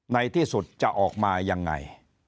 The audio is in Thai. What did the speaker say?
ในที่สุดจะออกมายังไง